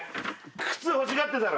欲しがってたろ？